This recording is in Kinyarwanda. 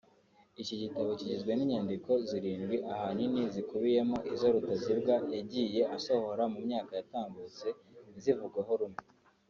Iki gitabo kigizwe n’inyandiko zirindwi ahanini zikubiyemo izo Rutazibwa yagiye asohora mu myaka yatambutse ntizivugweho rumwe